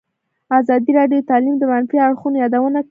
ازادي راډیو د تعلیم د منفي اړخونو یادونه کړې.